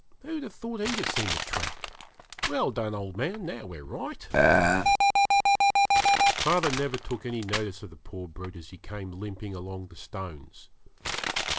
Who'd have thought he'd have seen the track? Well done, old man. Now we're right.' Father never took any notice of the poor brute as he came limping along the stones.